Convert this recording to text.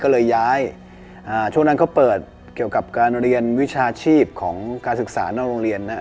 ก็เลยย้ายช่วงนั้นเขาเปิดเกี่ยวกับการเรียนวิชาชีพของการศึกษานอกโรงเรียนนะครับ